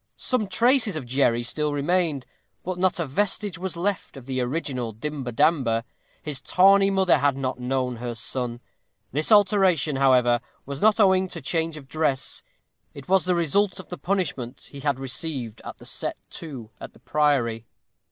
Some traces of Jerry still remained, but not a vestige was left of the original Dimber Damber. His tawny mother had not known her son. This alteration, however, was not owing to change of dress; it was the result of the punishment he had received at the "set to" at the priory.